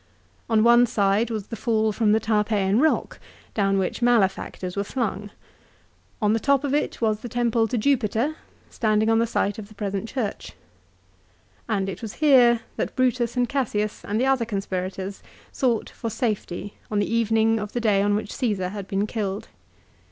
On one side was the fall from the Tarpeian rock, down which malefactors were flung. On the top of it was the temple to Jupiter, standing on the site of the present church. And it was here that Brutus and Cassius and the other conspirators sought for safety on the evening of the day on which Caesar had been killed.